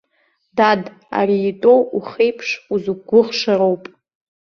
Дад, ара итәоу ухы еиԥш узықәгәыӷша роуп.